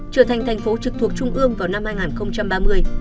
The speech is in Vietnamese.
trở thành thành phố trực thuộc trung ương vào năm hai nghìn ba mươi